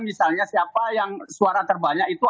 misalnya siapa yang suara terbanyak itu